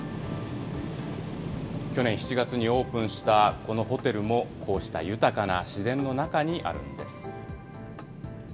去年７月にオープンしたこのホテルも、こうした豊かな自然の中にあるんです。